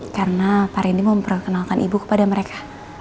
karena pak rindy mau memperkenalkan ibu kepada mereka